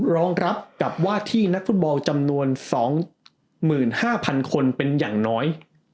รองรับกับว่าที่นักฟุตบอลจำนวน๒๕๐๐๐คนเป็นอย่างน้อย